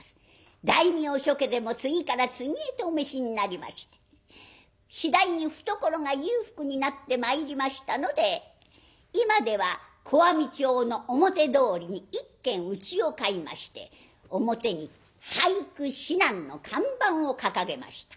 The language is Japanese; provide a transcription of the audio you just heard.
大名諸家でも次から次へとお召しになりまして次第に懐が裕福になってまいりましたので今では小網町の表通りに１軒うちを買いまして表に「俳句指南」の看板を掲げました。